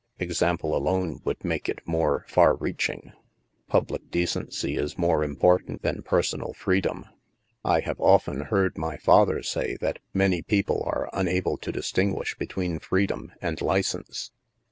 Example, alone, would make it more far reaching. Public de cency is more important than personal freedom. I have often heard my father say that many people are imable to distinguish between freedom and li cense."